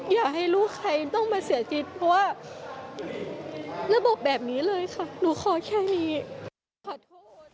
อยากให้ลูกใครต้องมาเสียชีวิตเพราะว่าระบบแบบนี้เลยค่ะหนูขอแค่นี้ขอโทษ